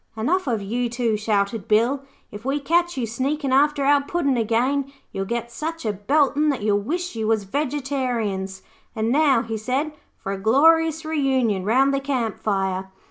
'Enough of you two,' shouted Bill. 'If we catch you sneakin' after our Puddin' again, you'll get such a beltin' that you'll wish you was vegetarians. And now,' said he, 'for a glorious reunion round the camp fire.'